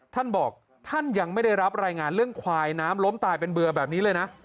ท่านบอกท่านยังไม่ได้รับรายงานเรื่องควายน้ำล้มตายเป็นเบื่อแบบนี้เลยนะ